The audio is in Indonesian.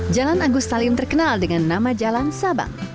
jalan agus salim terkenal dengan nama jalan sabang